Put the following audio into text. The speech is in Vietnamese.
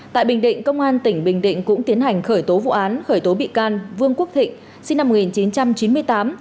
tại bình định công an tỉnh bình định cũng tiến hành khởi tố vụ án khởi tố bị can vương quốc thịnh sinh năm một nghìn chín trăm chín mươi tám